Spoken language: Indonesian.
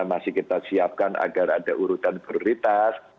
masih kita siapkan agar ada urutan prioritas